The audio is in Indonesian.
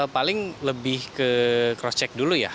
paling lebih ke cross check dulu ya